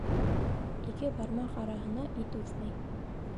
Ике бармаҡ араһына ит үҫмәй.